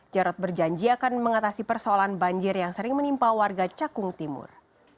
jarod berjanji akan mengatasi persoalan banjir yang sering menimpa warga cakung timur